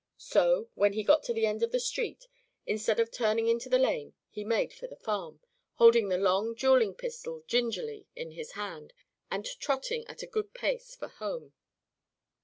So, when he got to the end of the street, instead of turning into the lane he made for the farm, holding the long dueling pistol gingerly in his hand and trotting at a good pace for home.